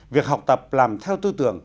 việc học tập làm theo tư tưởng